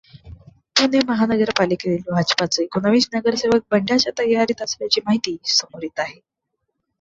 पुणे महापालिकेतील भाजपचे एकोणीस नगरसेवक बंडाच्या तयारीत असल्याची माहिती समोर येत आहे.